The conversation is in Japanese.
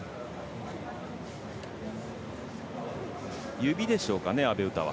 指でしょうかね、阿部詩は。